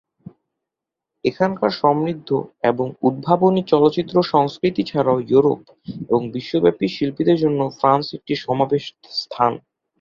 এখানকার সমৃদ্ধ এবং উদ্ভাবনী চলচ্চিত্র সংস্কৃতি ছাড়াও ইউরোপ এবং বিশ্বব্যাপী শিল্পীদের জন্য ফ্রান্স একটি সমাবেশ স্থান।